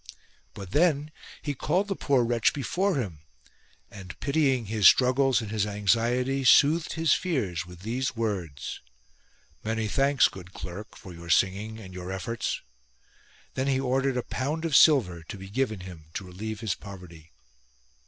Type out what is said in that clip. But then he called the poor wretch before him and pitying his struggles and his anxiety soothed his fears with these words :—" Many thanks, good clerk, for your singing and your 70 ALCUIN'S PUPILS efForts." Then he ordered a pound of silver to be given him to relieve his poverty.